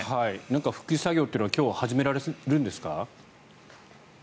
復旧作業というのは今日、始められるんですか？